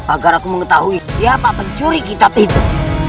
agar aku mengetahui siapa pencuri kitab itu